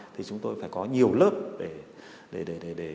thì chúng tôi phải có nhiều lớp để để để để